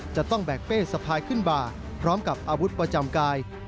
จะต้องแบกเป้สะพายขึ้นมาพร้อมกับอาวุธประจำกาย